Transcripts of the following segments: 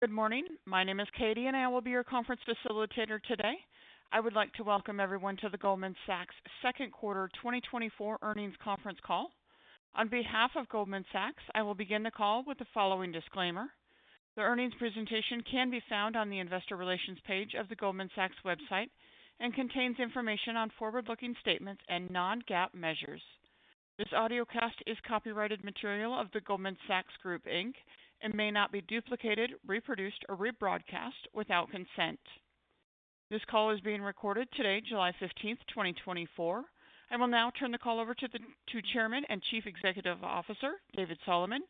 Good morning. My name is Katie, and I will be your conference facilitator today. I would like to welcome everyone to the Goldman Sachs second quarter 2024 earnings conference call. On behalf of Goldman Sachs, I will begin the call with the following disclaimer. The earnings presentation can be found on the Investor Relations page of the Goldman Sachs website and contains information on forward-looking statements and non-GAAP measures. This audiocast is copyrighted material of The Goldman Sachs Group Inc and may not be duplicated, reproduced, or rebroadcast without consent. This call is being recorded today, July 15, 2024. I will now turn the call over to Chairman and Chief Executive Officer David Solomon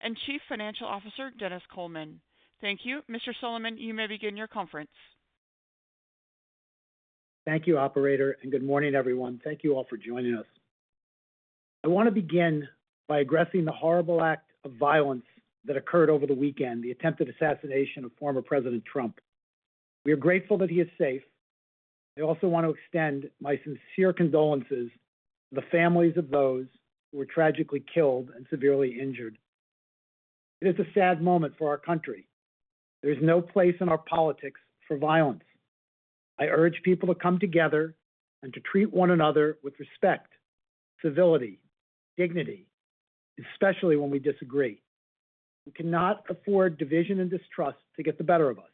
and Chief Financial Officer Denis Coleman. Thank you. Mr. Solomon, you may begin your conference. Thank you, operator, and good morning, everyone. Thank you all for joining us. I want to begin by addressing the horrible act of violence that occurred over the weekend, the attempted assassination of former President Trump. We are grateful that he is safe. I also want to extend my sincere condolences to the families of those who were tragically killed and severely injured. It is a sad moment for our country. There is no place in our politics for violence. I urge people to come together and to treat one another with respect, civility, dignity, especially when we disagree. We cannot afford division and distrust to get the better of us.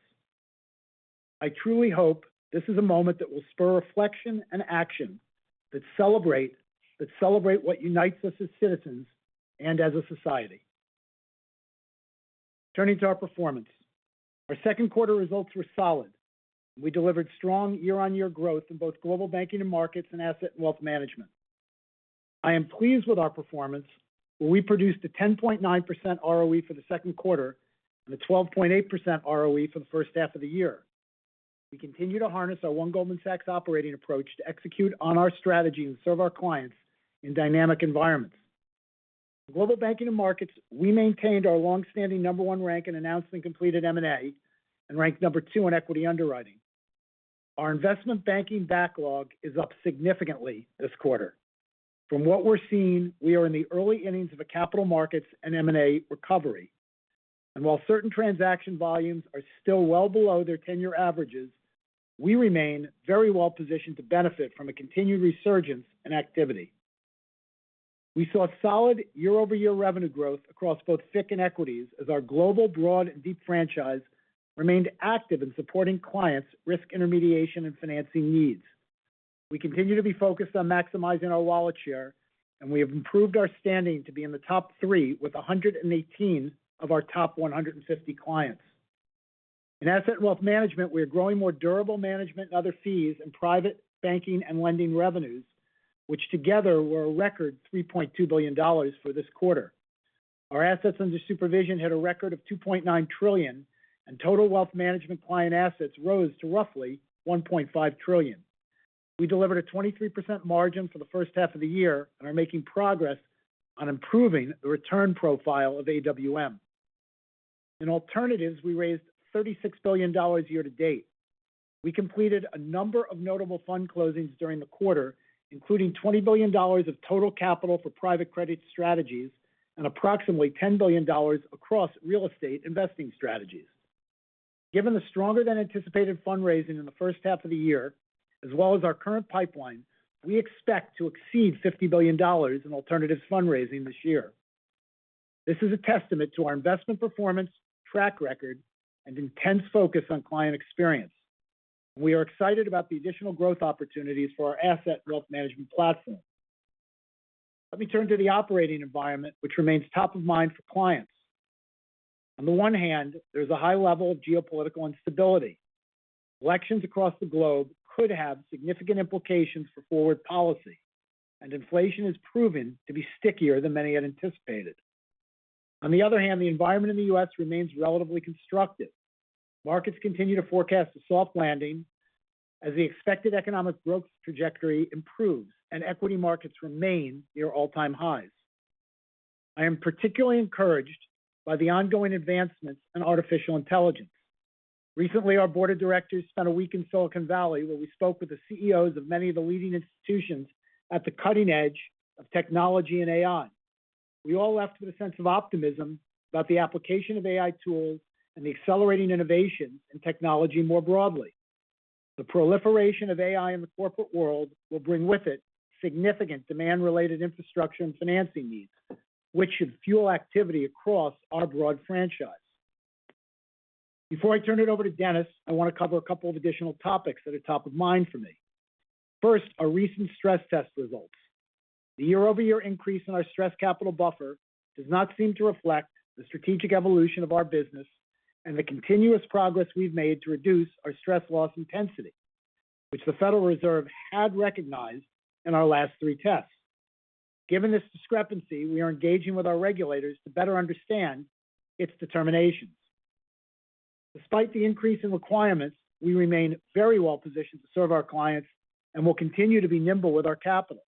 I truly hope this is a moment that will spur reflection and action, that celebrate what unites us as citizens and as a society. Turning to our performance. Our second quarter results were solid. We delivered strong year-on-year growth in both Global Banking and Markets, and Asset and Wealth Management. I am pleased with our performance, where we produced a 10.9% ROE for the second quarter and a 12.8% ROE for the first half of the year. We continue to harness our One Goldman Sachs operating approach to execute on our strategy and serve our clients in dynamic environments. Global Banking and Markets, we maintained our long-standing number one rank and announced and completed M&A, and ranked number two in equity underwriting. Our investment banking backlog is up significantly this quarter. From what we're seeing, we are in the early innings of a capital markets and M&A recovery, and while certain transaction volumes are still well below their ten-year averages, we remain very well positioned to benefit from a continued resurgence and activity. We saw solid year-over-year revenue growth across both FICC and equities, as our global, broad and deep franchise remained active in supporting clients risk intermediation and financing needs. We continue to be focused on maximizing our wallet share, and we have improved our standing to be in the top three with 118 of our top 150 clients. In Asset and Wealth Management, we are growing more durable management and other fees in private banking and lending revenues, which together were a record $3.2 billion for this quarter. Our assets under supervision hit a record of $2.9 trillion, and total wealth management client assets rose to roughly $1.5 trillion. We delivered a 23% margin for the first half of the year and are making progress on improving the return profile of AWM. In alternatives, we raised $36 billion year to date. We completed a number of notable fund closings during the quarter, including $20 billion of total capital for private credit strategies and approximately $10 billion across real estate investing strategies. Given the stronger than anticipated fundraising in the first half of the year, as well as our current pipeline, we expect to exceed $50 billion in alternatives fundraising this year. This is a testament to our investment performance, track record, and intense focus on client experience. We are excited about the additional growth opportunities for our Asset Wealth Management platform. Let me turn to the operating environment, which remains top of mind for clients. On the one hand, there's a high level of geopolitical instability. Elections across the globe could have significant implications for forward policy, and inflation has proven to be stickier than many had anticipated. On the other hand, the environment in the U.S. remains relatively constructive. Markets continue to forecast a soft landing as the expected economic growth trajectory improves and equity markets remain near all-time highs. I am particularly encouraged by the ongoing advancements in artificial intelligence. Recently, our board of directors spent a week in Silicon Valley, where we spoke with the CEOs of many of the leading institutions at the cutting edge of technology and AI. We all left with a sense of optimism about the application of AI tools and the accelerating innovation in technology more broadly. The proliferation of AI in the corporate world will bring with it significant demand-related infrastructure and financing needs, which should fuel activity across our broad franchise. Before I turn it over to Denis, I want to cover a couple of additional topics that are top of mind for me. First, our recent stress test results. The year-over-year increase in our Stress Capital Buffer does not seem to reflect the strategic evolution of our business and the continuous progress we've made to reduce our stress loss intensity, which the Federal Reserve had recognized in our last three tests. Given this discrepancy, we are engaging with our regulators to better understand its determinations. Despite the increase in requirements, we remain very well positioned to serve our clients and will continue to be nimble with our capital.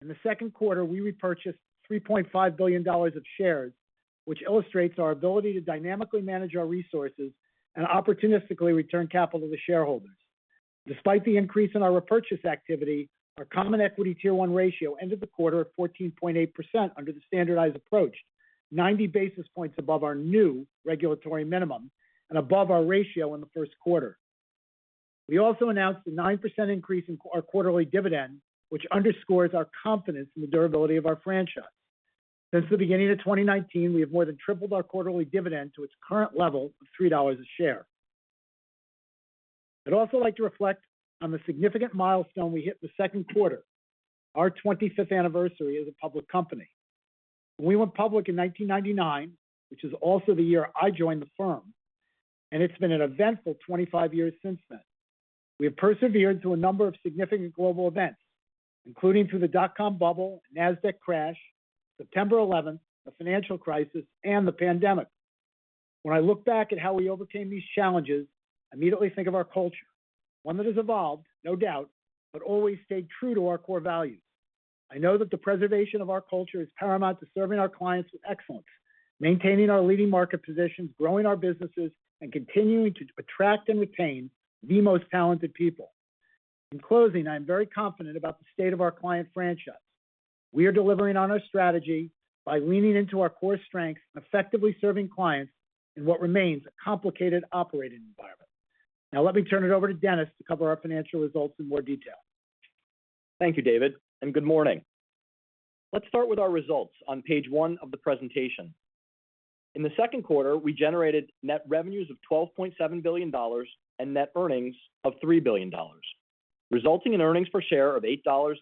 In the second quarter, we repurchased $3.5 billion of shares, which illustrates our ability to dynamically manage our resources and opportunistically return capital to shareholders.... Despite the increase in our repurchase activity, our Common Equity Tier 1 ratio ended the quarter at 14.8% under the standardized approach, 90 basis points above our new regulatory minimum and above our ratio in the first quarter. We also announced a 9% increase in our quarterly dividend, which underscores our confidence in the durability of our franchise. Since the beginning of 2019, we have more than tripled our quarterly dividend to its current level of $3 a share. I'd also like to reflect on the significant milestone we hit in the second quarter, our 25th anniversary as a public company. We went public in 1999, which is also the year I joined the firm, and it's been an eventful 25 years since then. We have persevered through a number of significant global events, including through the dot-com bubble, Nasdaq crash, September eleventh, the financial crisis, and the pandemic. When I look back at how we overcame these challenges, I immediately think of our culture, one that has evolved, no doubt, but always stayed true to our core values. I know that the preservation of our culture is paramount to serving our clients with excellence, maintaining our leading market position, growing our businesses, and continuing to attract and retain the most talented people. In closing, I'm very confident about the state of our client franchise. We are delivering on our strategy by leaning into our core strengths and effectively serving clients in what remains a complicated operating environment. Now, let me turn it over to Denis to cover our financial results in more detail. Thank you, David, and good morning. Let's start with our results on page 1 of the presentation. In the second quarter, we generated net revenues of $12.7 billion and net earnings of $3 billion, resulting in earnings per share of $8.62,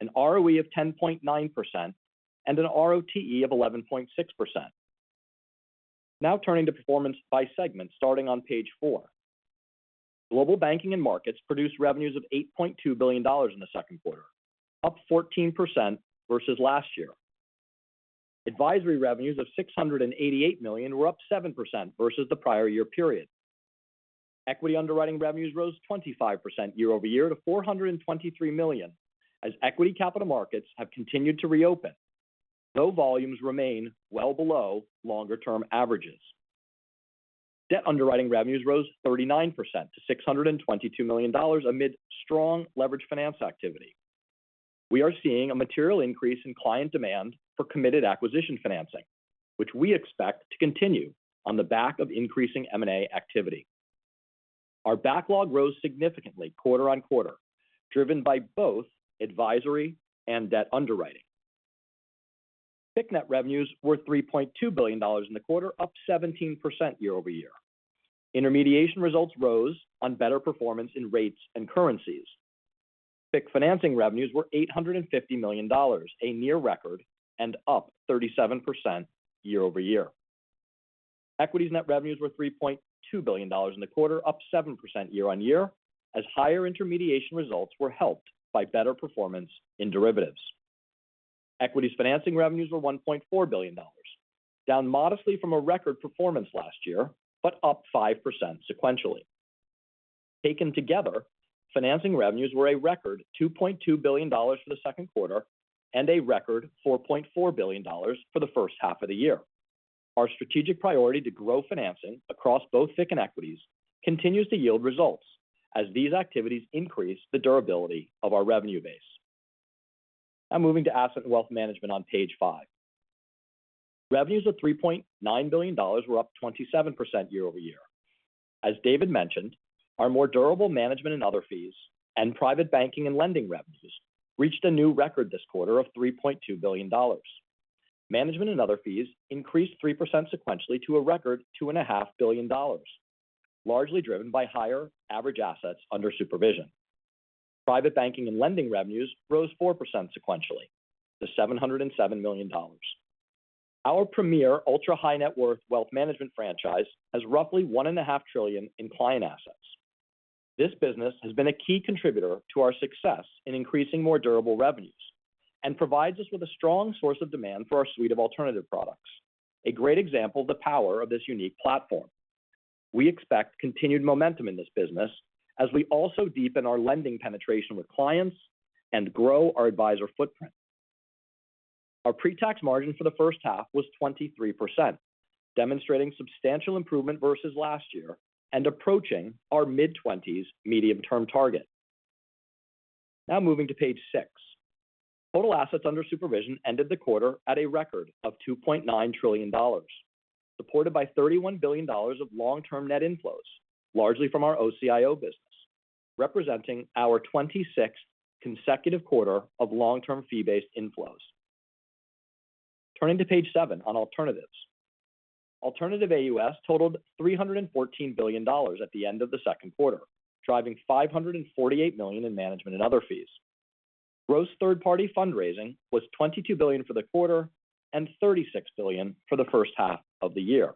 an ROE of 10.9% and an ROTE of 11.6%. Now turning to performance by segment, starting on page 4. Global Banking and Markets produced revenues of $8.2 billion in the second quarter, up 14% versus last year. Advisory revenues of $688 million were up 7% versus the prior year period. Equity underwriting revenues rose 25% year-over-year to $423 million, as equity capital markets have continued to reopen, though volumes remain well below longer-term averages. Debt underwriting revenues rose 39% to $622 million amid strong leveraged finance activity. We are seeing a material increase in client demand for committed acquisition financing, which we expect to continue on the back of increasing M&A activity. Our backlog rose significantly quarter-over-quarter, driven by both advisory and debt underwriting. FICC net revenues were $3.2 billion in the quarter, up 17% year-over-year. Intermediation results rose on better performance in rates and currencies. FICC financing revenues were $850 million, a near record and up 37% year-over-year. Equities net revenues were $3.2 billion in the quarter, up 7% year-over-year, as higher intermediation results were helped by better performance in derivatives. Equities financing revenues were $1.4 billion, down modestly from a record performance last year, but up 5% sequentially. Taken together, financing revenues were a record $2.2 billion for the second quarter and a record $4.4 billion for the first half of the year. Our strategic priority to grow financing across both FICC and equities continues to yield results as these activities increase the durability of our revenue base. Now moving to Asset and Wealth Management on page five. Revenues of $3.9 billion were up 27% year-over-year. As David mentioned, our more durable management and other fees and private banking and lending revenues reached a new record this quarter of $3.2 billion. Management and other fees increased 3% sequentially to a record $2.5 billion, largely driven by higher average assets under supervision. Private banking and lending revenues rose 4% sequentially to $707 million. Our premier ultra-high net worth wealth management franchise has roughly $1.5 trillion in client assets. This business has been a key contributor to our success in increasing more durable revenues and provides us with a strong source of demand for our suite of alternative products, a great example of the power of this unique platform. We expect continued momentum in this business as we also deepen our lending penetration with clients and grow our advisor footprint. Our pre-tax margin for the first half was 23%, demonstrating substantial improvement versus last year and approaching our mid-20s medium-term target. Now moving to page 6. Total assets under supervision ended the quarter at a record of $2.9 trillion, supported by $31 billion of long-term net inflows, largely from our OCIO business, representing our 26th consecutive quarter of long-term fee-based inflows. Turning to page 7 on alternatives. Alternative AUS totaled $314 billion at the end of the second quarter, driving $548 million in management and other fees. Gross third-party fundraising was $22 billion for the quarter and $36 billion for the first half of the year.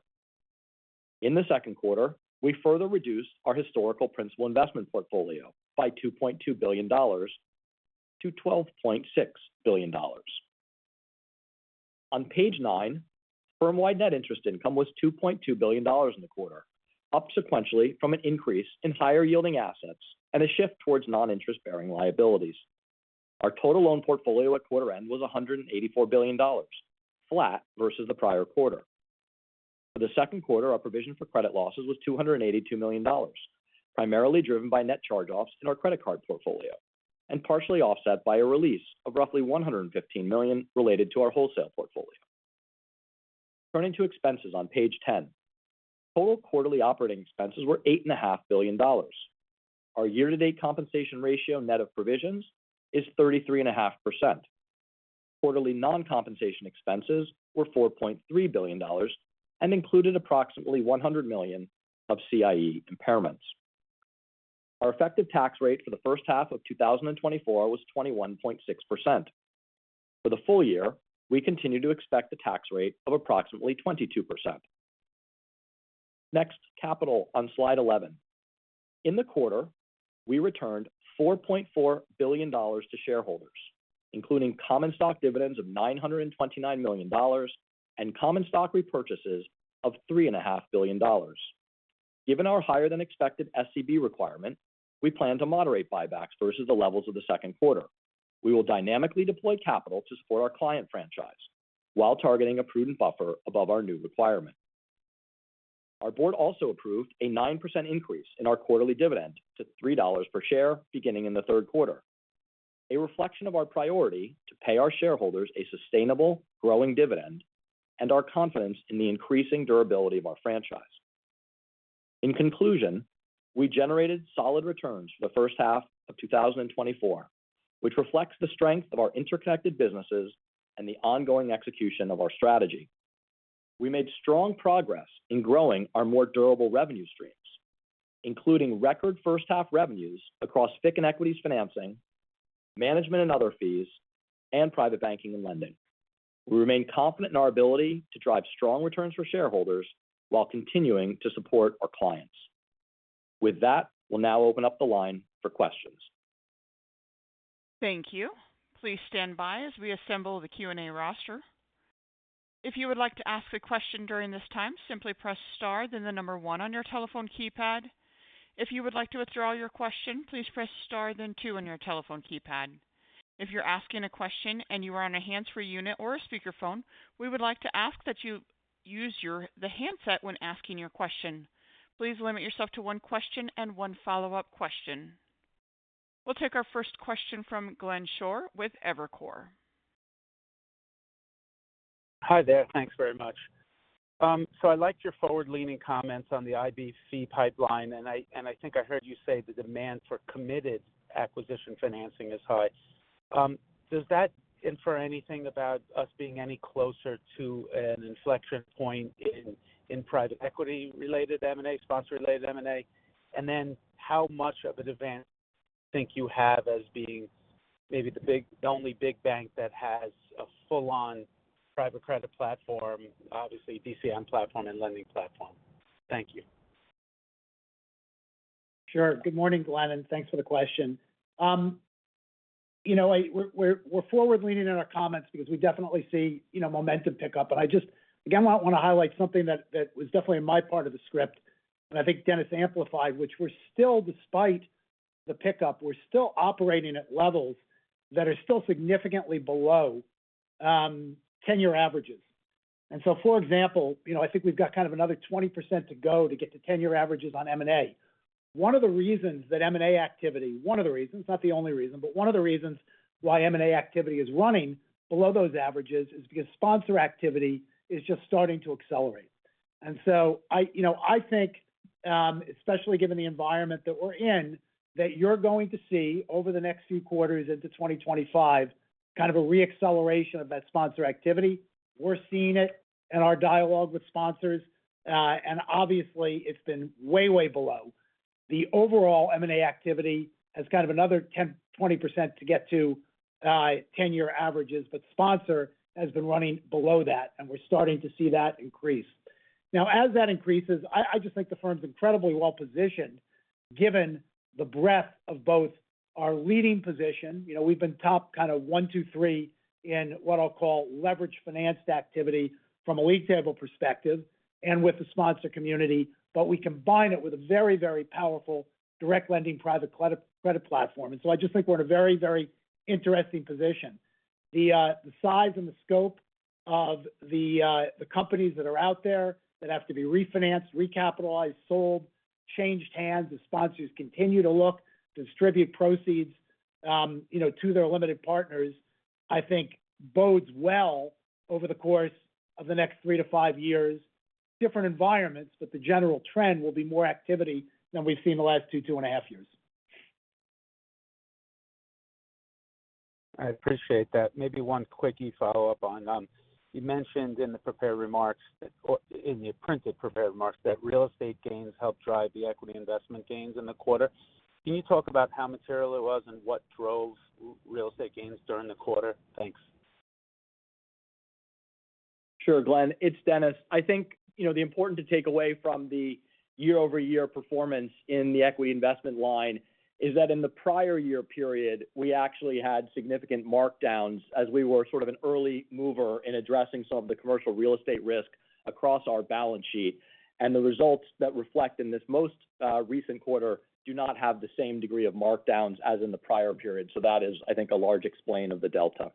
In the second quarter, we further reduced our historical principal investment portfolio by $2.2 billion - $12.6 billion. On page 9, firm-wide net interest income was $2.2 billion in the quarter, up sequentially from an increase in higher-yielding assets and a shift towards non-interest-bearing liabilities. Our total loan portfolio at quarter end was $184 billion, flat versus the prior quarter. For the second quarter, our provision for credit losses was $282 million, primarily driven by net charge-offs in our credit card portfolio, and partially offset by a release of roughly $115 million related to our wholesale portfolio. Turning to expenses on page ten. Total quarterly operating expenses were $8.5 billion. Our year-to-date compensation ratio, net of provisions, is 33.5%. Quarterly non-compensation expenses were $4.3 billion and included approximately $100 million of CIE impairments. Our effective tax rate for the first half of 2024 was 21.6%. For the full year, we continue to expect a tax rate of approximately 22%. Next, capital on slide eleven. In the quarter, we returned $4.4 billion to shareholders, including common stock dividends of $929 million and common stock repurchases of $3.5 billion. Given our higher than expected SCB requirement, we plan to moderate buybacks versus the levels of the second quarter. We will dynamically deploy capital to support our client franchise while targeting a prudent buffer above our new requirement. Our board also approved a 9% increase in our quarterly dividend to $3 per share beginning in the third quarter, a reflection of our priority to pay our shareholders a sustainable, growing dividend and our confidence in the increasing durability of our franchise. In conclusion, we generated solid returns for the first half of 2024, which reflects the strength of our interconnected businesses and the ongoing execution of our strategy. We made strong progress in growing our more durable revenue streams, including record first half revenues across FICC and equities financing, management and other fees, and private banking and lending. We remain confident in our ability to drive strong returns for shareholders while continuing to support our clients. With that, we'll now open up the line for questions. Thank you. Please stand by as we assemble the Q&A roster. If you would like to ask a question during this time, simply press star, then the number one on your telephone keypad. If you would like to withdraw your question, please press star, then two on your telephone keypad. If you're asking a question and you are on a hands-free unit or a speakerphone, we would like to ask that you use the handset when asking your question. Please limit yourself to one question and one follow-up question. We'll take our first question from Glenn Schorr with Evercore. Hi there. Thanks very much. So I liked your forward-leaning comments on the IBC pipeline, and I think I heard you say the demand for committed acquisition financing is high. Does that infer anything about us being any closer to an inflection point in private equity related M&A, sponsor related M&A? And then how much of an advantage think you have as being maybe the big, the only big bank that has a full-on private credit platform, obviously, DCM platform and lending platform? Thank you. Sure. Good morning, Glenn, and thanks for the question. You know, we're forward leaning in our comments because we definitely see momentum pick up. But I just, again, I want to highlight something that was definitely in my part of the script, and I think Denis amplified, which we're still, despite the pickup, we're still operating at levels that are still significantly below ten-year averages. So, for example, you know, I think we've got kind of another 20% to go to get to ten-year averages on M&A. One of the reasons that M&A activity, one of the reasons, not the only reason, but one of the reasons why M&A activity is running below those averages is because sponsor activity is just starting to accelerate. So I, you know, I think, especially given the environment that we're in, that you're going to see over the next few quarters into 2025, kind of a re-acceleration of that sponsor activity. We're seeing it in our dialogue with sponsors, and obviously, it's been way, way below. The overall M&A activity has kind of another 10% - 20% to get to, 10-year averages, but sponsor has been running below that, and we're starting to see that increase. Now, as that increases, I, I just think the firm's incredibly well-positioned, given the breadth of both our leading position. You know, we've been top kind of one, two, three in what I'll call leveraged finance activity from a league table perspective and with the sponsor community, but we combine it with a very, very powerful direct lending private credit, credit platform. And so I just think we're in a very, very interesting position. The size and the scope of the companies that are out there that have to be refinanced, recapitalized, sold, changed hands as sponsors continue to look to distribute proceeds, you know, to their limited partners, I think bodes well over the course of the next three to five years. Different environments, but the general trend will be more activity than we've seen in the last two, two and a half years. I appreciate that. Maybe one quickie follow-up on, you mentioned in the prepared remarks, or in the printed prepared remarks, that real estate gains helped drive the equity investment gains in the quarter. Can you talk about how material it was and what drove real estate gains during the quarter? Thanks. Sure, Glenn, it's Denis. I think, you know, the important to take away from the year-over-year performance in the equity investment line is that in the prior year period, we actually had significant markdowns as we were sort of an early mover in addressing some of the commercial real estate risk across our balance sheet. And the results that reflect in this most recent quarter do not have the same degree of markdowns as in the prior period. So that is, I think, a large explain of the delta.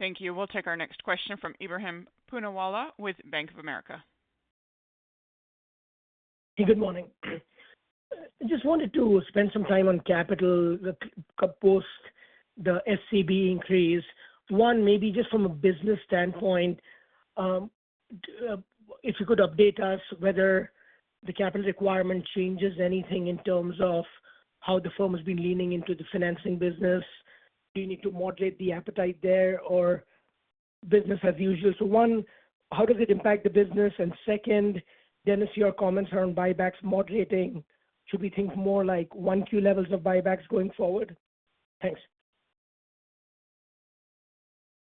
Thank you. We'll take our next question from Ebrahim Poonawala with Bank of America. Good morning. I just wanted to spend some time on capital, the capital post, the SCB increase. One, maybe just from a business standpoint, if you could update us whether the capital requirement changes anything in terms of how the firm has been leaning into the financing business, do you need to moderate the appetite there or business as usual? So one, how does it impact the business? And second, Denis, your comments on buybacks moderating. Should we think more like 1Q levels of buybacks going forward? Thanks.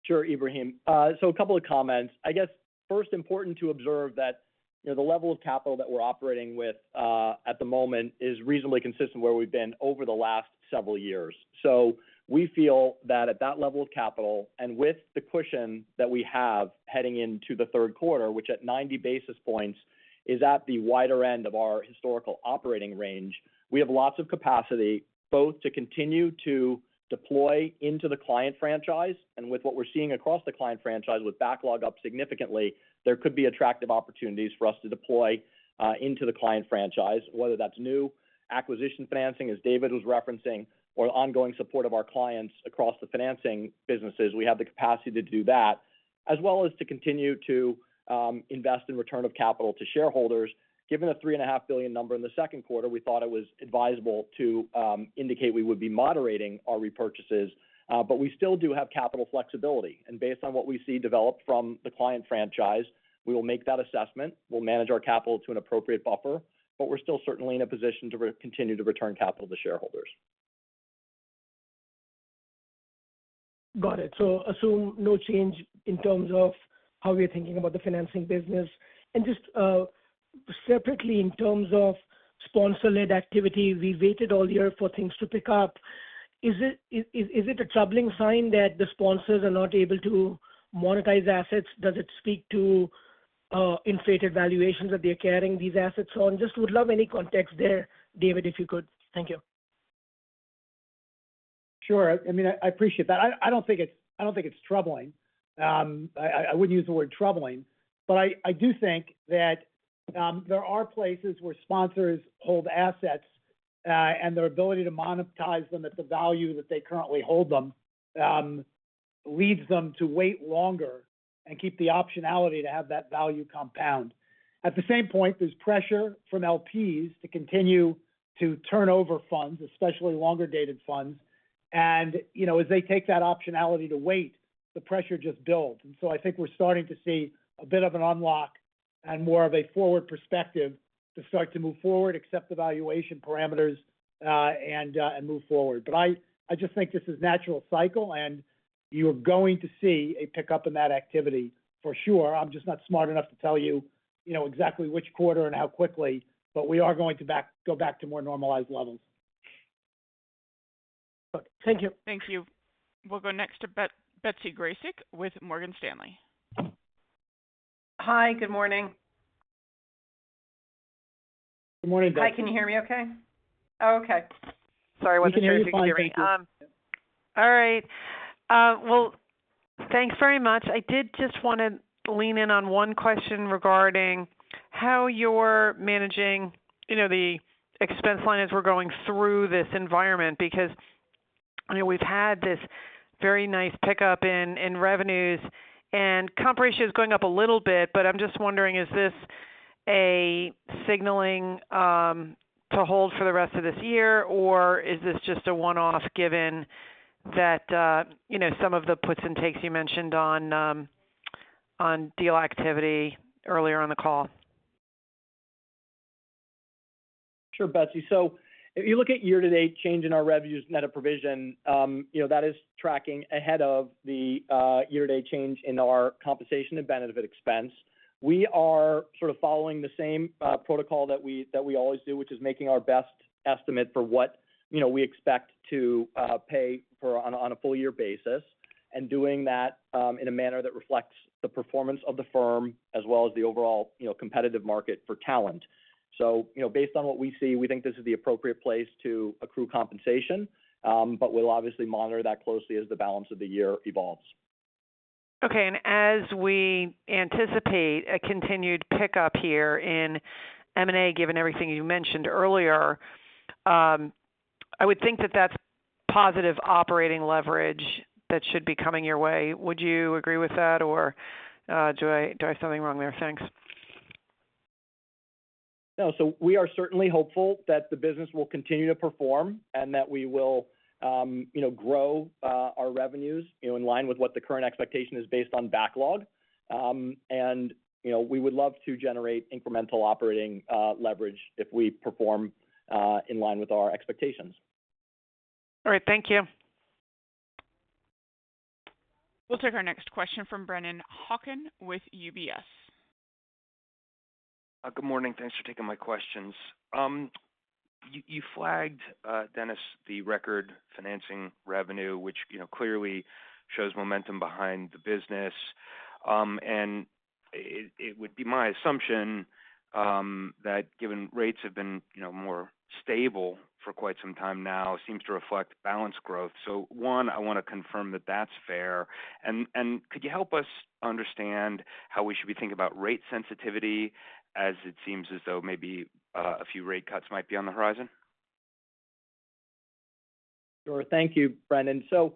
Sure, Ibrahim. So a couple of comments. I guess, first, important to observe that, you know, the level of capital that we're operating with at the moment is reasonably consistent where we've been over the last several years. So we feel that at that level of capital and with the cushion that we have heading into the third quarter, which at 90 basis points, is at the wider end of our historical operating range. We have lots of capacity, both to continue to deploy into the client franchise and with what we're seeing across the client franchise, with backlog up significantly, there could be attractive opportunities for us to deploy into the client franchise. Whether that's new acquisition financing, as David was referencing, or ongoing support of our clients across the financing businesses, we have the capacity to do that, as well as to continue to invest in return of capital to shareholders. Given the $3.5 billion number in the second quarter, we thought it was advisable to indicate we would be moderating our repurchases, but we still do have capital flexibility. And based on what we see developed from the client franchise, we will make that assessment. We'll manage our capital to an appropriate buffer, but we're still certainly in a position to continue to return capital to shareholders. Got it. So assume no change in terms of how we're thinking about the financing business. And just, separately, in terms of sponsor-led activity, we waited all year for things to pick up. Is it a troubling sign that the sponsors are not able to monetize assets? Does it speak to inflated valuations that they're carrying these assets on? Just would love any context there, David, if you could. Thank you. Sure. I mean, I appreciate that. I don't think it's troubling. I wouldn't use the word troubling, but I do think that there are places where sponsors hold assets and their ability to monetize them at the value that they currently hold them leads them to wait longer and keep the optionality to have that value compound. At the same point, there's pressure from LPs to continue to turn over funds, especially longer-dated funds, and, you know, as they take that optionality to wait, the pressure just builds. And so I think we're starting to see a bit of an unlock and more of a forward perspective to start to move forward, accept the valuation parameters, and move forward. But I just think this is natural cycle, and you're going to see a pickup in that activity for sure. I'm just not smart enough to tell you, you know, exactly which quarter and how quickly, but we are going to go back to more normalized levels. Good. Thank you. Thank you. We'll go next to Betsy Graseck with Morgan Stanley. Hi, good morning. Good morning, Betsy. Hi, can you hear me okay? Oh, okay. Sorry, I wasn't sure if you could hear me. We can hear you fine. Thank you. All right. Well, thanks very much. I did just want to lean in on one question regarding how you're managing, you know, the expense line as we're going through this environment. Because, I know we've had this very nice pickup in revenues and comp ratio is going up a little bit, but I'm just wondering, is this a signaling to hold for the rest of this year, or is this just a one-off, given that, you know, some of the puts and takes you mentioned on deal activity earlier on the call? Sure, Betsy. So if you look at year-to-date change in our revenues net of provision, you know, that is tracking ahead of the year-to-date change in our compensation and benefit expense. We are sort of following the same protocol that we always do, which is making our best estimate for what, you know, we expect to pay for on a full year basis. And doing that in a manner that reflects the performance of the firm as well as the overall, you know, competitive market for talent. So, you know, based on what we see, we think this is the appropriate place to accrue compensation, but we'll obviously monitor that closely as the balance of the year evolves. Okay. As we anticipate a continued pickup here in M&A, given everything you mentioned earlier, I would think that that's positive operating leverage that should be coming your way. Would you agree with that, or, do I have something wrong there? Thanks. No, so we are certainly hopeful that the business will continue to perform and that we will, you know, grow our revenues, you know, in line with what the current expectation is based on backlog. And, you know, we would love to generate incremental operating leverage if we perform in line with our expectations. All right. Thank you. We'll take our next question from Brennan Hawken with UBS. Good morning. Thanks for taking my questions. You flagged, Denis, the record financing revenue, which, you know, clearly shows momentum behind the business.... And it would be my assumption that given rates have been, you know, more stable for quite some time now, seems to reflect balance growth. So, I want to confirm that that's fair. And could you help us understand how we should be thinking about rate sensitivity, as it seems as though maybe a few rate cuts might be on the horizon? Sure. Thank you, Brendan. So,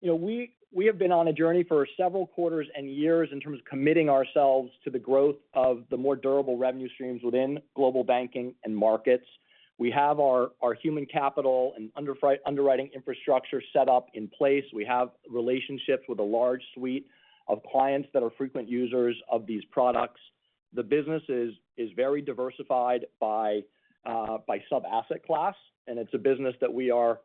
you know, we have been on a journey for several quarters and years in terms of committing ourselves to the growth of the more durable revenue streams within Global Banking and Markets. We have our human capital and underwriting infrastructure set up in place. We have relationships with a large suite of clients that are frequent users of these products. The business is very diversified by sub-asset class, and it's a business that we are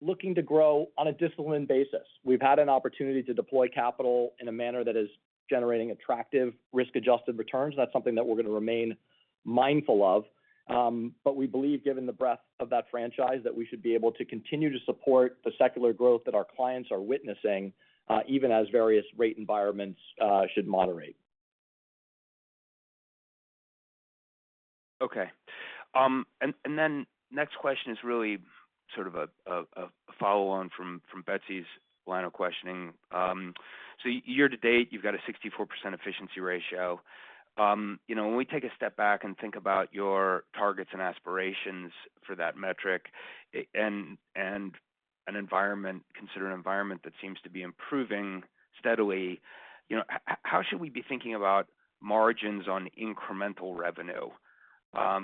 looking to grow on a disciplined basis. We've had an opportunity to deploy capital in a manner that is generating attractive risk-adjusted returns. That's something that we're going to remain mindful of. But we believe, given the breadth of that franchise, that we should be able to continue to support the secular growth that our clients are witnessing, even as various rate environments should moderate. Okay. And then next question is really sort of a follow on from Betsy's line of questioning. So year to date, you've got a 64% efficiency ratio. You know, when we take a step back and think about your targets and aspirations for that metric, and consider an environment that seems to be improving steadily, you know, how should we be thinking about margins on incremental revenue?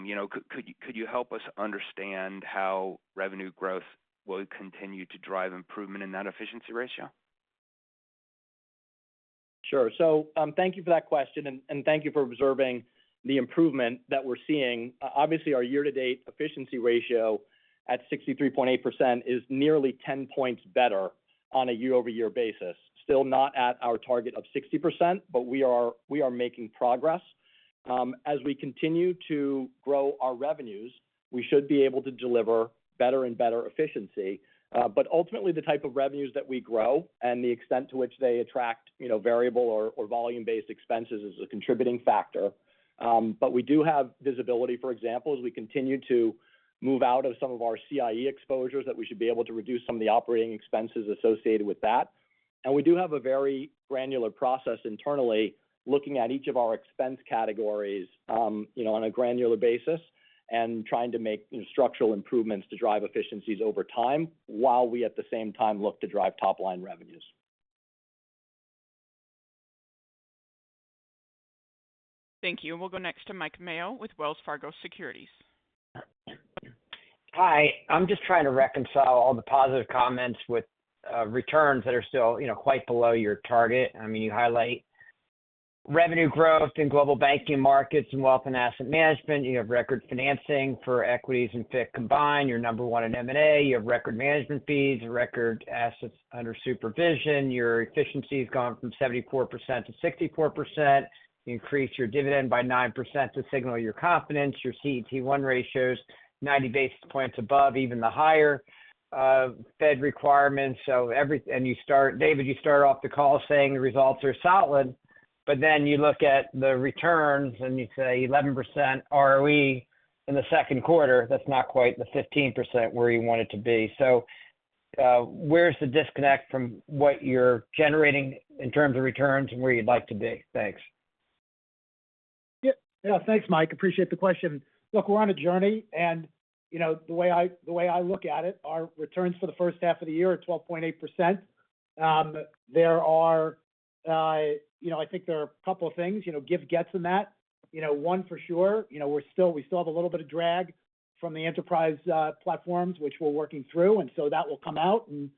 You know, could you help us understand how revenue growth will continue to drive improvement in that efficiency ratio? Sure. So, thank you for that question, and thank you for observing the improvement that we're seeing. Obviously, our year-to-date efficiency ratio at 63.8% is nearly 10 points better on a year-over-year basis. Still not at our target of 60%, but we are making progress. As we continue to grow our revenues, we should be able to deliver better and better efficiency. But ultimately, the type of revenues that we grow and the extent to which they attract, you know, variable or volume-based expenses is a contributing factor. But we do have visibility, for example, as we continue to move out of some of our CIE exposures, that we should be able to reduce some of the operating expenses associated with that. We do have a very granular process internally, looking at each of our expense categories, you know, on a granular basis and trying to make structural improvements to drive efficiencies over time, while we, at the same time, look to drive top-line revenues. Thank you. We'll go next to Mike Mayo with Wells Fargo Securities. Hi. I'm just trying to reconcile all the positive comments with returns that are still, you know, quite below your target. I mean, you highlight revenue growth in global banking markets and wealth and asset management. You have record financing for equities and FICC combined. You're number one in M&A. You have record management fees and record assets under supervision. Your efficiency has gone from 74% - 64%. Increased your dividend by 9% to signal your confidence. Your CET1 ratio is 90 basis points above even the higher Fed requirements. And you start—David, you start off the call saying the results are solid, but then you look at the returns, and you say 11% ROE in the second quarter. That's not quite the 15% where you want it to be. So, where's the disconnect from what you're generating in terms of returns and where you'd like to be? Thanks. Yeah. Yeah. Thanks, Mike. Appreciate the question. Look, we're on a journey, and, you know, the way I look at it, our returns for the first half of the year are 12.8%. There are, you know, I think there are a couple of things, you know, gives and gets in that. You know, one for sure, you know, we still have a little bit of drag from the enterprise platforms, which we're working through, and so that will come out. And,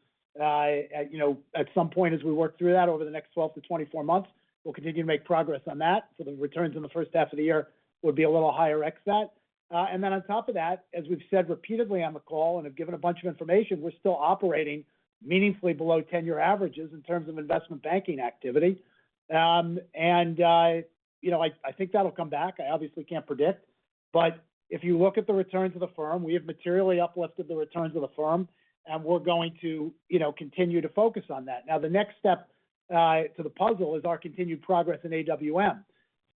you know, at some point, as we work through that over the next 12-24 months, we'll continue to make progress on that. So the returns in the first half of the year would be a little higher ex that. And then on top of that, as we've said repeatedly on the call and have given a bunch of information, we're still operating meaningfully below 10-year averages in terms of investment banking activity. You know, I think that'll come back. I obviously can't predict. But if you look at the returns of the firm, we have materially uplifted the returns of the firm, and we're going to, you know, continue to focus on that. Now, the next step to the puzzle is our continued progress in AWM.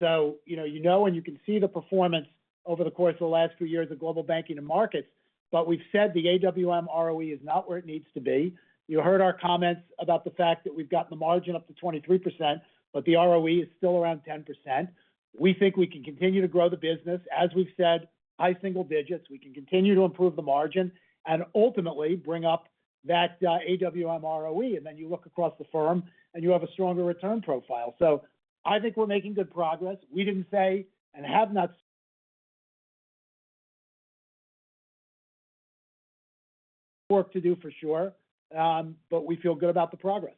So, you know, you know, and you can see the performance over the course of the last few years of Global Banking and Markets, but we've said the AWM ROE is not where it needs to be. You heard our comments about the fact that we've gotten the margin up to 23%, but the ROE is still around 10%. We think we can continue to grow the business, as we've said, high single digits. We can continue to improve the margin and ultimately bring up that AWM ROE, and then you look across the firm, and you have a stronger return profile. So I think we're making good progress. We didn't say, and have not... work to do, for sure, but we feel good about the progress.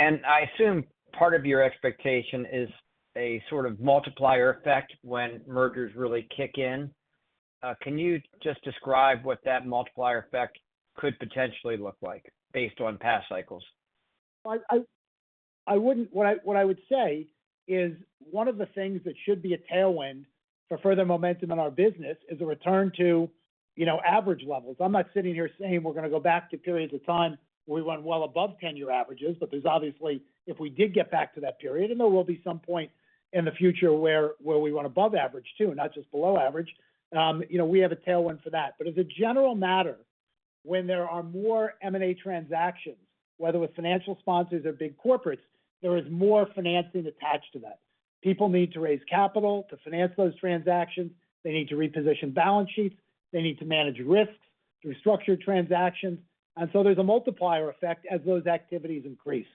I assume part of your expectation is a sort of multiplier effect when mergers really kick in. Can you just describe what that multiplier effect could potentially look like based on past cycles?... I wouldn't—what I, what I would say is one of the things that should be a tailwind for further momentum in our business is a return to, you know, average levels. I'm not sitting here saying we're gonna go back to periods of time where we run well above ten-year averages, but there's obviously, if we did get back to that period, and there will be some point in the future where, where we run above average too, not just below average, you know, we have a tailwind for that. But as a general matter, when there are more M&A transactions, whether with financial sponsors or big corporates, there is more financing attached to that. People need to raise capital to finance those transactions. They need to reposition balance sheets. They need to manage risk through structured transactions. And so there's a multiplier effect as those activities increase.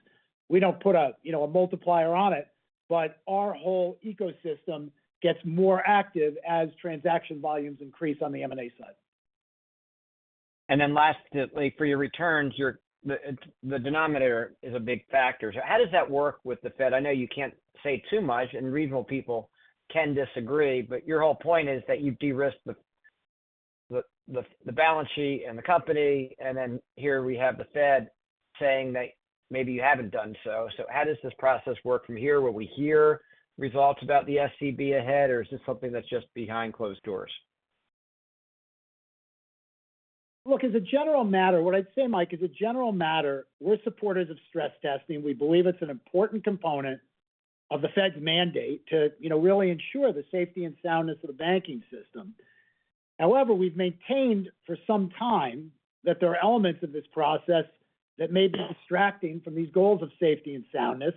We don't put a, you know, a multiplier on it, but our whole ecosystem gets more active as transaction volumes increase on the M&A side. Then lastly, for your returns, your the denominator is a big factor. So how does that work with the Fed? I know you can't say too much, and reasonable people can disagree, but your whole point is that you derisk the balance sheet and the company, and then here we have the Fed saying that maybe you haven't done so. So how does this process work from here? Will we hear results about the SCB ahead, or is this something that's just behind closed doors? Look, as a general matter, what I'd say, Mike, as a general matter, we're supporters of stress testing. We believe it's an important component of the Fed's mandate to, you know, really ensure the safety and soundness of the banking system. However, we've maintained for some time that there are elements of this process that may be distracting from these goals of safety and soundness.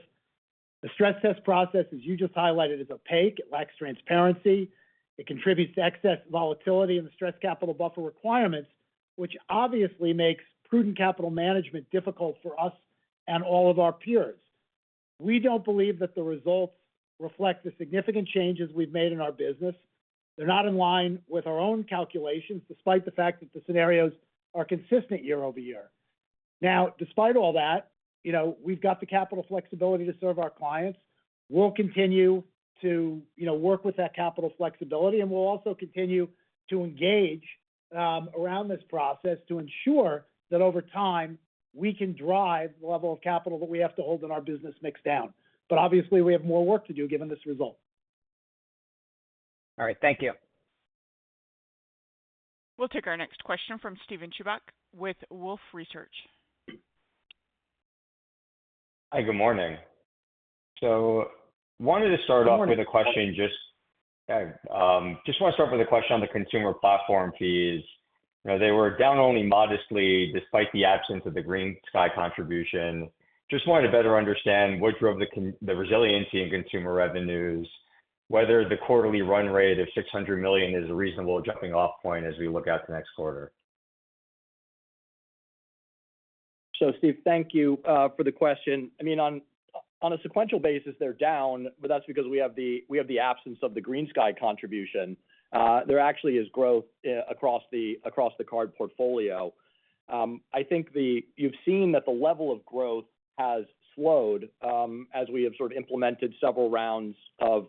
The stress test process, as you just highlighted, is opaque. It lacks transparency. It contributes to excess volatility in the stress capital buffer requirements, which obviously makes prudent capital management difficult for us and all of our peers. We don't believe that the results reflect the significant changes we've made in our business. They're not in line with our own calculations, despite the fact that the scenarios are consistent year-over-year. Now, despite all that, you know, we've got the capital flexibility to serve our clients. We'll continue to, you know, work with that capital flexibility, and we'll also continue to engage around this process to ensure that over time, we can drive the level of capital that we have to hold in our business mix down. But obviously, we have more work to do, given this result. All right, thank you. We'll take our next question from Steven Chubak with Wolfe Research. Hi, good morning. So wanted to start off- Good morning. With a question, just, just want to start with a question on the consumer platform fees. You know, they were down only modestly, despite the absence of the GreenSky contribution. Just wanted to better understand what drove the resiliency in consumer revenues, whether the quarterly run rate of $600 million is a reasonable jumping-off point as we look out to next quarter. So Steve, thank you for the question. I mean, on a sequential basis, they're down, but that's because we have the absence of the GreenSky contribution. There actually is growth across the card portfolio. I think you've seen that the level of growth has slowed as we have sort of implemented several rounds of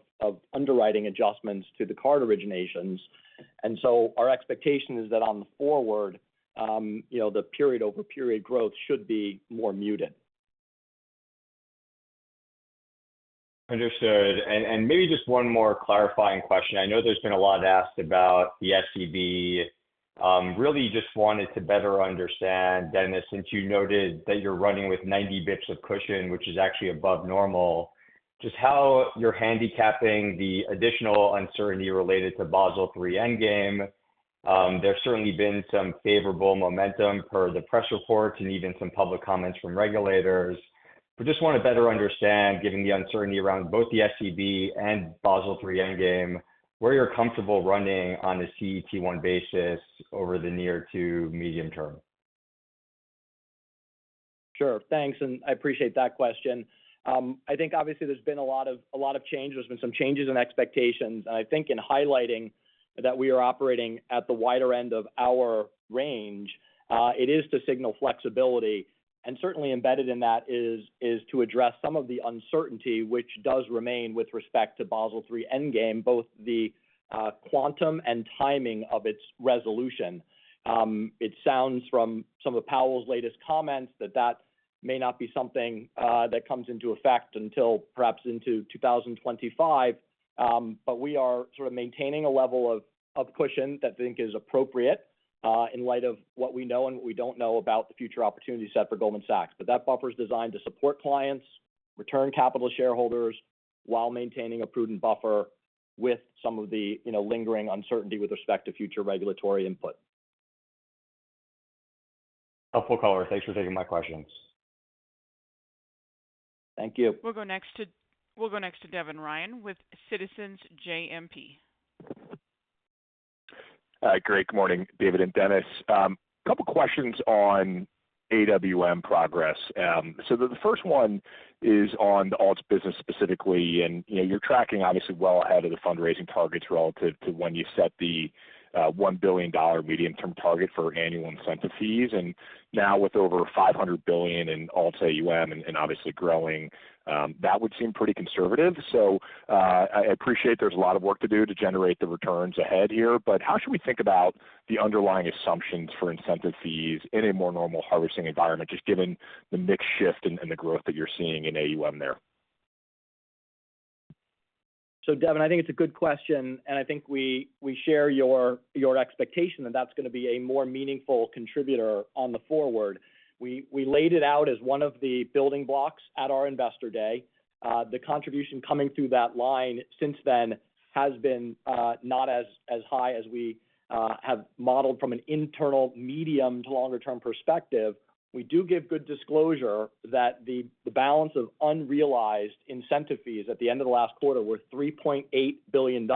underwriting adjustments to the card originations. And so our expectation is that on the forward, you know, the period-over-period growth should be more muted. Understood. And maybe just one more clarifying question. I know there's been a lot asked about the SCB. Really just wanted to better understand, Denis, since you noted that you're running with 90 basis points of cushion, which is actually above normal, just how you're handicapping the additional uncertainty related to Basel III Endgame. There's certainly been some favorable momentum per the press reports and even some public comments from regulators. But just want to better understand, given the uncertainty around both the SCB and Basel III Endgame, where you're comfortable running on a CET1 basis over the near to medium term. Sure. Thanks, and I appreciate that question. I think obviously there's been a lot of, a lot of change. There's been some changes in expectations, and I think in highlighting that we are operating at the wider end of our range, it is to signal flexibility. And certainly embedded in that is to address some of the uncertainty, which does remain with respect to Basel III Endgame, both the quantum and timing of its resolution. It sounds from some of Powell's latest comments, that that may not be something that comes into effect until perhaps into 2025. But we are sort of maintaining a level of cushion that I think is appropriate, in light of what we know and what we don't know about the future opportunity set for Goldman Sachs. But that buffer is designed to support clients, return capital to shareholders, while maintaining a prudent buffer with some of the, you know, lingering uncertainty with respect to future regulatory input. Helpful color. Thanks for taking my questions. Thank you. We'll go next to Devin Ryan with Citizens JMP. Hi, great. Good morning, David and Denis. A couple questions on AWM progress. So the first one is on the alts business specifically, and, you know, you're tracking obviously well ahead of the fundraising targets relative to when you set the $1 billion medium-term target for annual incentive fees. And now with over $500 billion in alts AUM and obviously growing, that would seem pretty conservative. So I appreciate there's a lot of work to do to generate the returns ahead here, but how should we think about the underlying assumptions for incentive fees in a more normal harvesting environment, just given the mix shift and the growth that you're seeing in AUM there?... So Devin, I think it's a good question, and I think we share your expectation that that's gonna be a more meaningful contributor on the forward. We laid it out as one of the building blocks at our investor day. The contribution coming through that line since then has been not as high as we have modeled from an internal medium- to longer-term perspective. We do give good disclosure that the balance of unrealized incentive fees at the end of the last quarter were $3.8 billion.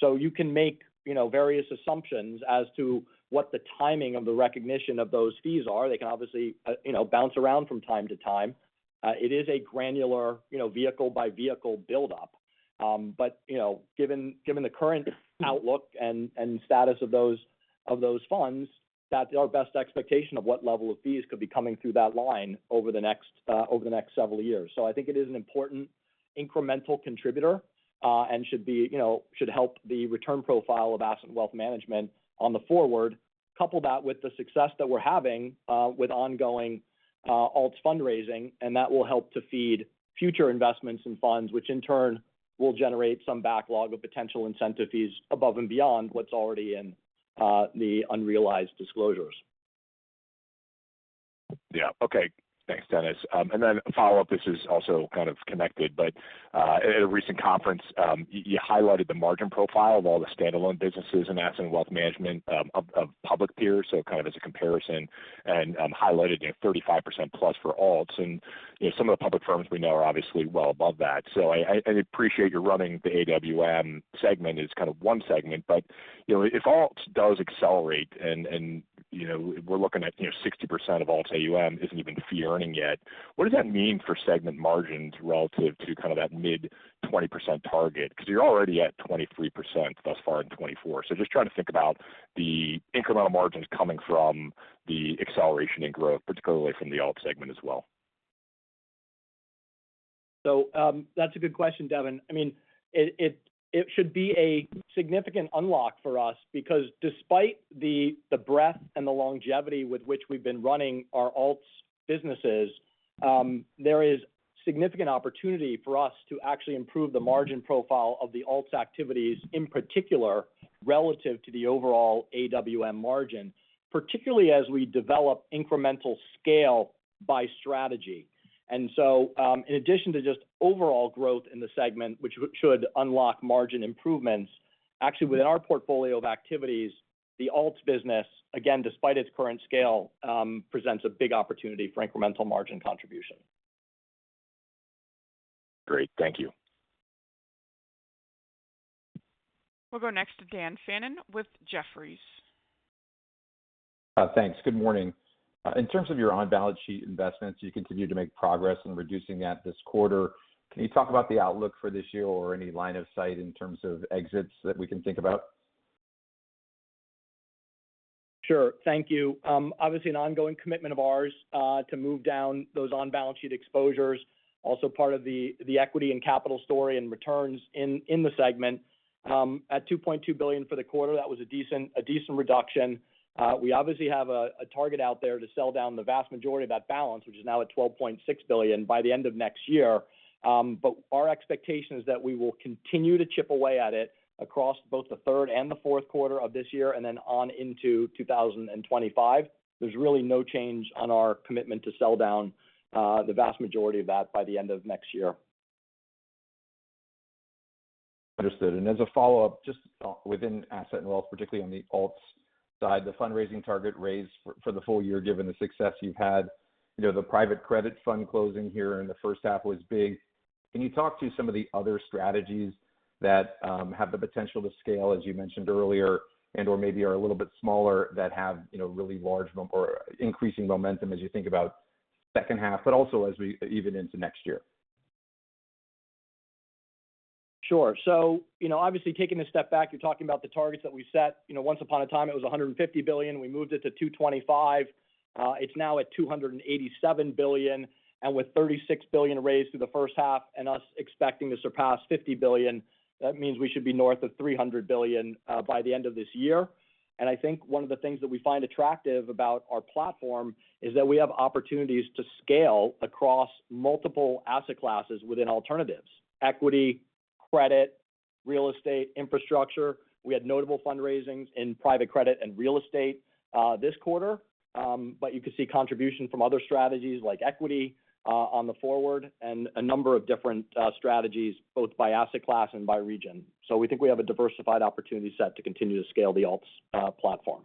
So you can make, you know, various assumptions as to what the timing of the recognition of those fees are. They can obviously, you know, bounce around from time to time. It is a granular, you know, vehicle-by-vehicle buildup. But, you know, given the current outlook and status of those funds, that's our best expectation of what level of fees could be coming through that line over the next several years. So I think it is an important incremental contributor, and should be, you know, should help the return profile of Asset and Wealth Management on the forward. Couple that with the success that we're having with ongoing alts fundraising, and that will help to feed future investments in funds, which in turn will generate some backlog of potential incentive fees above and beyond what's already in the unrealized disclosures. Yeah. Okay. Thanks, Denis. And then a follow-up. This is also kind of connected, but at a recent conference, you highlighted the margin profile of all the standalone businesses in Asset and Wealth Management of public peers, so kind of as a comparison, and highlighted a 35%+ for alts. And, you know, some of the public firms we know are obviously well above that. So I appreciate you're running the AWM segment as kind of one segment, but, you know, if alts does accelerate and, you know, we're looking at, you know, 60% of alt AUM isn't even fee earning yet, what does that mean for segment margins relative to kind of that mid-20% target? Because you're already at 23% thus far in 2024. Just trying to think about the incremental margins coming from the acceleration in growth, particularly from the alt segment as well. So, that's a good question, Devin. I mean, it should be a significant unlock for us because despite the breadth and the longevity with which we've been running our alts businesses, there is significant opportunity for us to actually improve the margin profile of the alts activities, in particular, relative to the overall AWM margin, particularly as we develop incremental scale by strategy. And so, in addition to just overall growth in the segment, which should unlock margin improvements, actually within our portfolio of activities, the alts business, again, despite its current scale, presents a big opportunity for incremental margin contribution. Great. Thank you. We'll go next to Dan Fannon with Jefferies. Thanks. Good morning. In terms of your on-balance sheet investments, you continue to make progress in reducing that this quarter. Can you talk about the outlook for this year or any line of sight in terms of exits that we can think about? Sure. Thank you. Obviously an ongoing commitment of ours to move down those on-balance sheet exposures, also part of the equity and capital story and returns in the segment. At $2.2 billion for the quarter, that was a decent reduction. We obviously have a target out there to sell down the vast majority of that balance, which is now at $12.6 billion by the end of next year. But our expectation is that we will continue to chip away at it across both the third and the fourth quarter of this year, and then on into 2025. There's really no change on our commitment to sell down the vast majority of that by the end of next year. Understood. And as a follow-up, just, within asset and wealth, particularly on the alts side, the fundraising target raised for the full year, given the success you've had, you know, the private credit fund closing here in the first half was big. Can you talk to some of the other strategies that have the potential to scale, as you mentioned earlier, and/or maybe are a little bit smaller, that have, you know, really large or increasing momentum as you think about second half, but also as we even into next year? Sure. So, you know, obviously, taking a step back, you're talking about the targets that we set. You know, once upon a time, it was $150 billion. We moved it to $225 billion. It's now at $287 billion, and with $36 billion raised through the first half and us expecting to surpass $50 billion, that means we should be north of $300 billion, by the end of this year. And I think one of the things that we find attractive about our platform is that we have opportunities to scale across multiple asset classes within alternatives, equity, credit, real estate, infrastructure. We had notable fundraisings in private credit and real estate, this quarter. But you could see contribution from other strategies like equity on the forward and a number of different strategies, both by asset class and by region. So we think we have a diversified opportunity set to continue to scale the alts platform.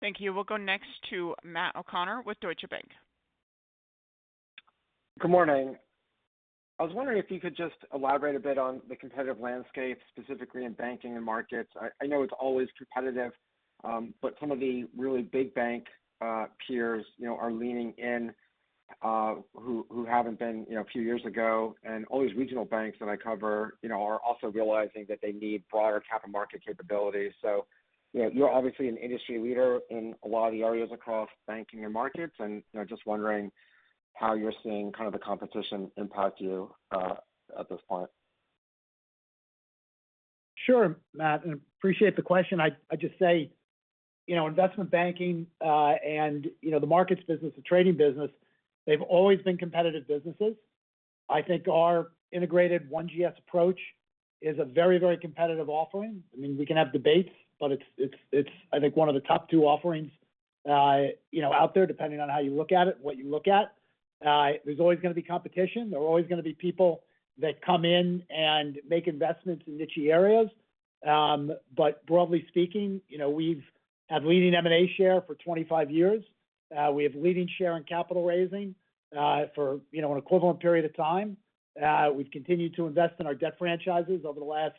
Thank you. We'll go next to Matt O'Connor with Deutsche Bank. Good morning. I was wondering if you could just elaborate a bit on the competitive landscape, specifically in banking and markets. I know it's always competitive, but some of the really big bank peers, you know, are leaning in who haven't been, you know, a few years ago. And all these regional banks that I cover, you know, are also realizing that they need broader capital market capabilities. So, you know, you're obviously an industry leader in a lot of the areas across banking and markets, and, you know, just wondering how you're seeing kind of the competition impact you, at this point?... Sure, Matt, and appreciate the question. I just say, you know, investment banking, and, you know, the markets business, the trading business, they've always been competitive businesses. I think our integrated OneGS approach is a very, very competitive offering. I mean, we can have debates, but it's, it's, it's, I think, one of the top two offerings, you know, out there, depending on how you look at it, what you look at. There's always gonna be competition. There are always gonna be people that come in and make investments in nichey areas. But broadly speaking, you know, we've had leading M&A share for 25 years. We have leading share in capital raising, for, you know, an equivalent period of time. We've continued to invest in our debt franchises over the last,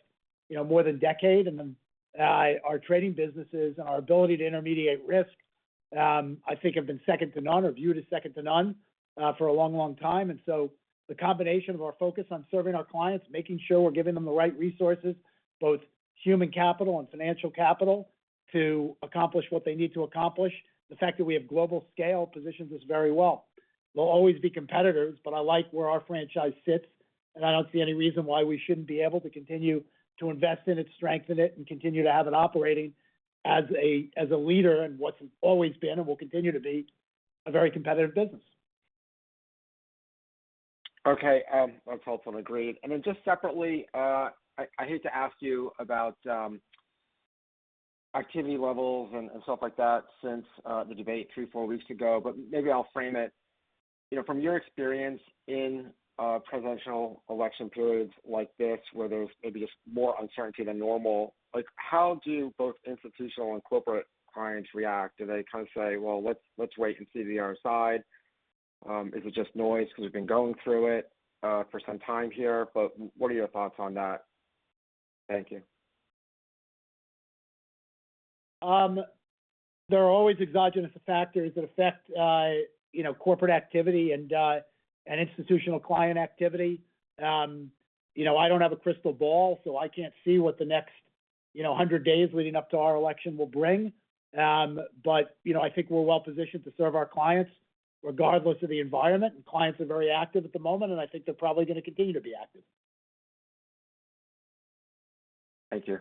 you know, more than a decade, and then our trading businesses and our ability to intermediate risk, I think have been second to none or viewed as second to none, for a long, long time. And so the combination of our focus on serving our clients, making sure we're giving them the right resources, both human capital and financial capital, to accomplish what they need to accomplish, the fact that we have global scale positions us very well. There'll always be competitors, but I like where our franchise sits, and I don't see any reason why we shouldn't be able to continue to invest in it, strengthen it, and continue to have it operating as a leader in what's always been and will continue to be a very competitive business. Okay, that's helpful and agreed. And then just separately, I hate to ask you about activity levels and stuff like that si the debate three, four weeks ago, but maybe I'll frame it. You know, from your experience in presidential election periods like this, where there's maybe just more uncertainty than normal, like, how do both institutional and corporate clients react? Do they kind of say, "Well, let's wait and see the other side?" Is it just noise? Because we've been going through it for some time here, but what are your thoughts on that? Thank you. There are always exogenous factors that affect, you know, corporate activity and institutional client activity. You know, I don't have a crystal ball, so I can't see what the next, you know, hundred days leading up to our election will bring. But, you know, I think we're well positioned to serve our clients regardless of the environment, and clients are very active at the moment, and I think they're probably gonna continue to be active. Thank you.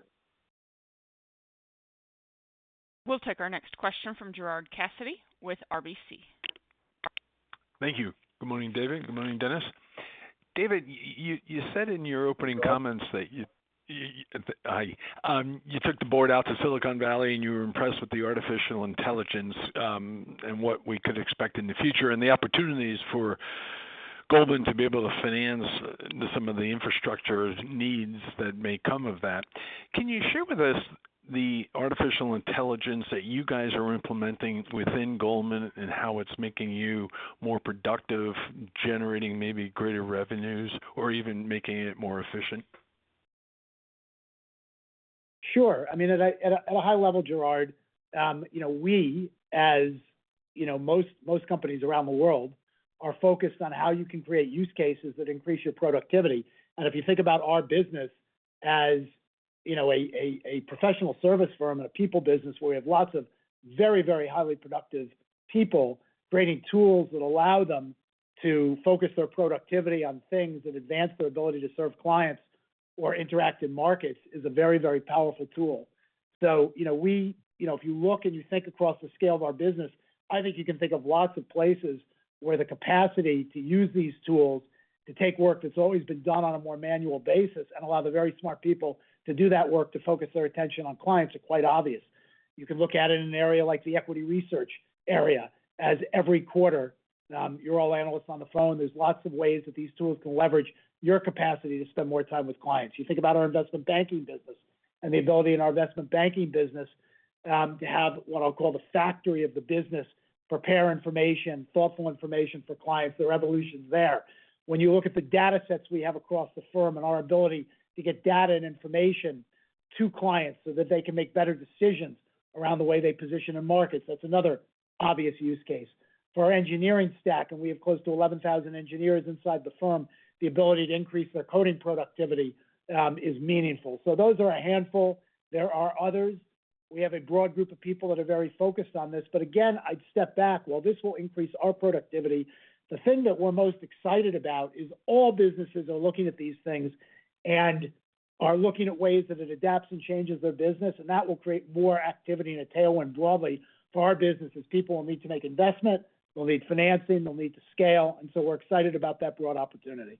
We'll take our next question from Gerard Cassidy with RBC. Thank you. Good morning, David. Good morning, Denis. David, you said in your opening comments that you took the board out to Silicon Valley, and you were impressed with the artificial intelligence, and what we could expect in the future and the opportunities for Goldman to be able to finance some of the infrastructure needs that may come of that. Can you share with us the artificial intelligence that you guys are implementing within Goldman and how it's making you more productive, generating maybe greater revenues or even making it more efficient? Sure. I mean, at a high level, Gerard, you know, we, as you know, most companies around the world are focused on how you can create use cases that increase your productivity. And if you think about our business, as you know, a professional service firm and a people business, where we have lots of very, very highly productive people, creating tools that allow them to focus their productivity on things that advance their ability to serve clients or interact in markets, is a very, very powerful tool. So, you know, You know, if you look and you think across the scale of our business, I think you can think of lots of places where the capacity to use these tools to take work that's always been done on a more manual basis and allow the very smart people to do that work, to focus their attention on clients, are quite obvious. You can look at it in an area like the equity research area, as every quarter, you're all analysts on the phone. There's lots of ways that these tools can leverage your capacity to spend more time with clients. You think about our investment banking business and the ability in our investment banking business, to have what I'll call the factory of the business, prepare information, thoughtful information for clients. There are revolutions there. When you look at the data sets we have across the firm and our ability to get data and information to clients so that they can make better decisions around the way they position in markets, that's another obvious use case. For our engineering stack, and we have close to 11,000 engineers inside the firm, the ability to increase their coding productivity is meaningful. So those are a handful. There are others. We have a broad group of people that are very focused on this, but again, I'd step back. While this will increase our productivity, the thing that we're most excited about is all businesses are looking at these things and are looking at ways that it adapts and changes their business, and that will create more activity in a tailwind broadly for our businesses. People will need to make investment, they'll need financing, they'll need to scale, and so we're excited about that broad opportunity.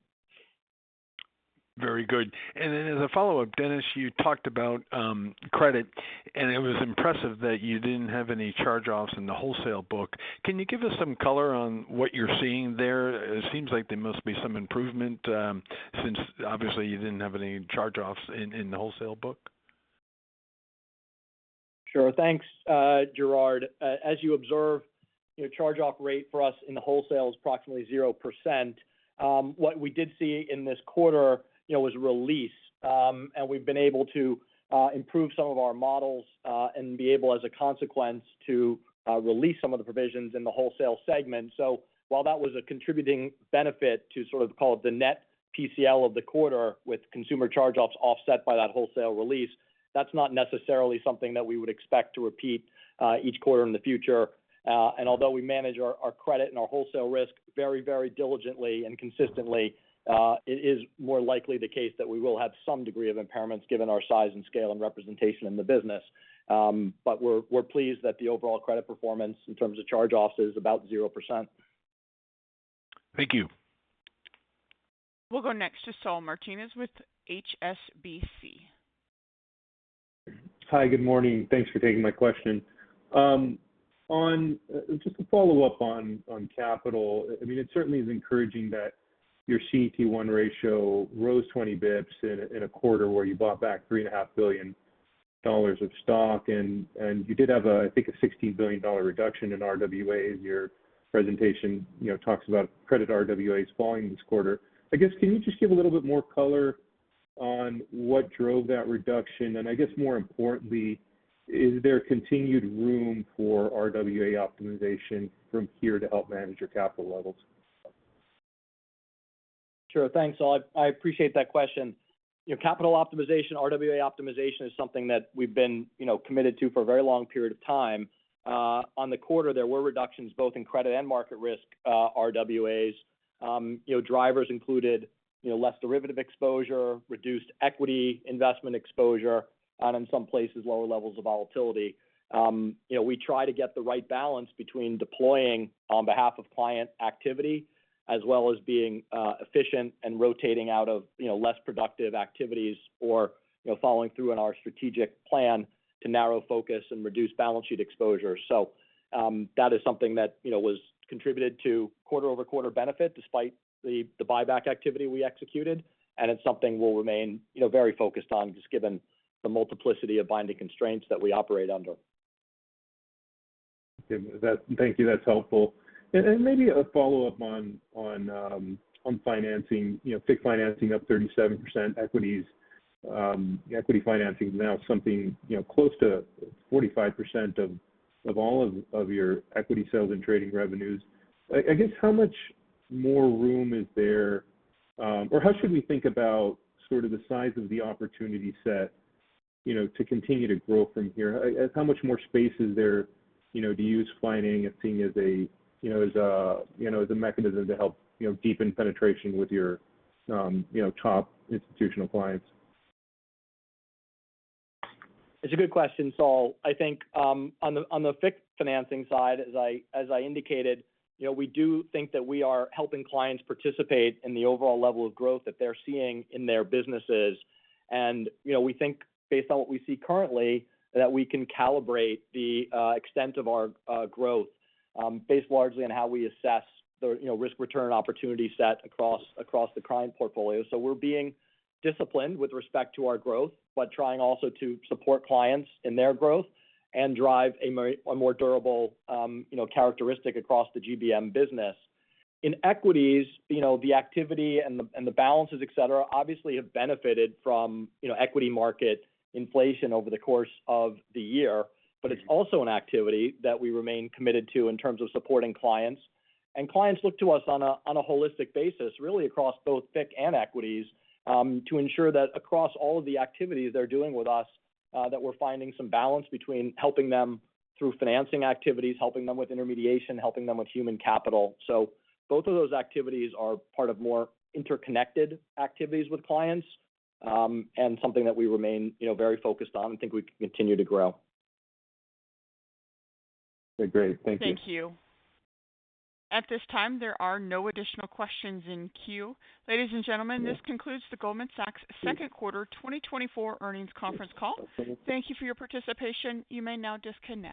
Very good. And then as a follow-up, Denis, you talked about credit, and it was impressive that you didn't have any charge-offs in the wholesale book. Can you give us some color on what you're seeing there? It seems like there must be some improvement, since obviously you didn't have any charge-offs in the wholesale book. Sure. Thanks, Gerard. As you observe, the charge-off rate for us in the wholesale is approximately 0%. What we did see in this quarter, you know, was release. And we've been able to improve some of our models and be able, as a consequence, to release some of the provisions in the wholesale segment. So while that was a contributing benefit to sort of call it the net PCL of the quarter, with consumer charge-offs offset by that wholesale release. That's not necessarily something that we would expect to repeat each quarter in the future. And although we manage our credit and our wholesale risk very, very diligently and consistently, it is more likely the case that we will have some degree of impairments, given our size and scale and representation in the business. But we're pleased that the overall credit performance in terms of charge-offs is about 0%. Thank you. We'll go next to Saul Martinez with HSBC. Hi, good morning. Thanks for taking my question. On just to follow up on capital, I mean, it certainly is encouraging that your CET1 ratio rose 20 basis points in a quarter where you bought back $3.5 billion of stock, and you did have a, I think, a $16 billion reduction in RWAs. Your presentation, you know, talks about credit RWAs falling this quarter. I guess, can you just give a little bit more color on what drove that reduction? And I guess, more importantly, is there continued room for RWA optimization from here to help manage your capital levels? Sure. Thanks, Saul. I appreciate that question. You know, capital optimization, RWA optimization is something that we've been, you know, committed to for a very long period of time. On the quarter, there were reductions both in credit and market risk RWAs. You know, drivers included, you know, less derivative exposure, reduced equity investment exposure, and in some places, lower levels of volatility. You know, we try to get the right balance between deploying on behalf of client activity, as well as being efficient and rotating out of, you know, less productive activities or, you know, following through on our strategic plan to narrow focus and reduce balance sheet exposure. So, that is something that, you know, was contributed to quarter-over-quarter benefit, despite the buyback activity we executed, and it's something we'll remain, you know, very focused on, just given the multiplicity of binding constraints that we operate under. Okay. That. Thank you. That's helpful. And maybe a follow-up on financing. You know, FICC financing up 37%, equities, equity financing is now something, you know, close to 45% of, of all of, of your equity sales and trading revenues. I guess, how much more room is there, or how should we think about sort of the size of the opportunity set, you know, to continue to grow from here? How much more space is there, you know, to use financing and seeing as a, you know, as a, you know, as a mechanism to help, you know, deepen penetration with your, you know, top institutional clients? It's a good question, Saul. I think, on the, on the FICC financing side, as I, as I indicated, you know, we do think that we are helping clients participate in the overall level of growth that they're seeing in their businesses. And, you know, we think based on what we see currently, that we can calibrate the extent of our growth based largely on how we assess the, you know, risk-return opportunity set across, across the client portfolio. So we're being disciplined with respect to our growth, but trying also to support clients in their growth and drive a more, a more durable, you know, characteristic across the GBM business. In equities, you know, the activity and the, and the balances, et cetera, obviously have benefited from, you know, equity market inflation over the course of the year. But it's also an activity that we remain committed to in terms of supporting clients. And clients look to us on a, on a holistic basis, really, across both FICC and equities, to ensure that across all of the activities they're doing with us, that we're finding some balance between helping them through financing activities, helping them with intermediation, helping them with human capital. So both of those activities are part of more interconnected activities with clients, and something that we remain, you know, very focused on and think we can continue to grow. Okay, great. Thank you. Thank you. At this time, there are no additional questions in queue. Ladies and gentlemen, this concludes the Goldman Sachs second quarter 2024 earnings conference call. Thank you for your participation. You may now disconnect.